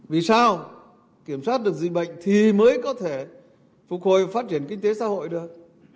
vì sao kiểm soát được dịch bệnh thì mới có thể phục hồi phát triển kinh tế xã hội được